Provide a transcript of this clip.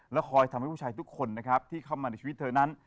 คอยทำให้ผู้ชายทุกคนนะครับที่เข้ามาในชีวิตเธอนั้น